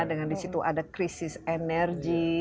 dengan di situ ada krisis energi